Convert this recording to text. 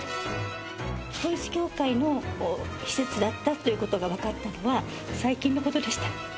統一教会の施設だったということが分かったのは、最近のことでした。